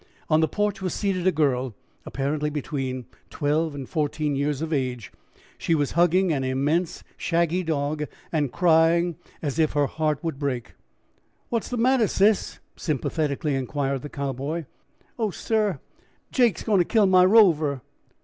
On the porch was seated a girl apparently between twelve and fourteen years of age. She was hugging an immense shaggy dog and crying as if her heart would break. "What's the matter, sis?" sympathetically inquired the Cowboy. "Oh, sir (sob), Jake's goin' to kill my Rover."